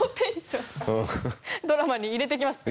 ドラマに入れて来ますかね。